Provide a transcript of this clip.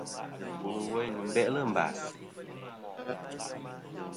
Wùl ɨ̀ wèyn nɨ̀n beʼlɨ̂ mbàs.